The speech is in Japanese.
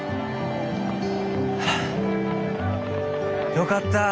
よかった。